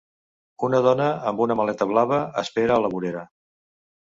Una dona amb una maleta blava espera a la vorera.